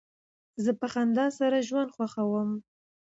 زه په خندا سره ژوند خوښوم.